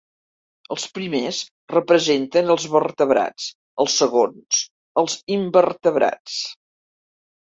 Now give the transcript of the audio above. Els primers representen els vertebrats, els segons els invertebrats.